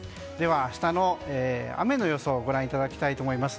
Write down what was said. では明日の雨の予想をご覧いただきたいと思います。